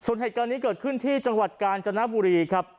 ส่วนเหตุการณ์นี้เกิดขึ้นที่จังหวัดกาญจนบุรีครับ